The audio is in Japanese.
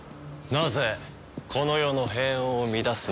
なぜこの世の平穏を乱すのか。